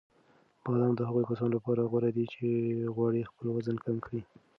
بادام د هغو کسانو لپاره غوره دي چې غواړي خپل وزن کم کړي.